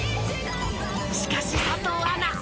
しかし佐藤アナ